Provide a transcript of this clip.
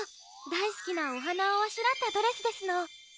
だいすきなおはなをあしらったドレスですの。